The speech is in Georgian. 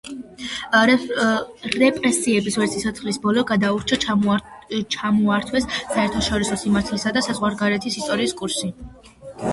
რეპრესიებს ვერც სიცოცხლის ბოლოს გადაურჩა, ჩამოართვეს საერთაშორისო სამართლისა და საზღვარგარეთის ისტორიის კურსი.